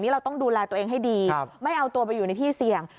เราต้องดูแลตัวเองให้ดีไม่เอาตัวไปอยู่ในที่เสี่ยง